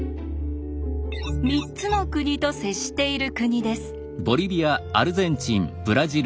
「三つの国と接している国」です。